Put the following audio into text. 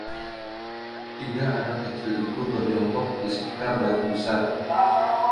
Tiga anak kecil itu berjongkok di sekitar batu besar.